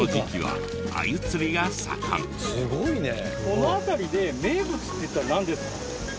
この辺りで名物っていったらなんですか？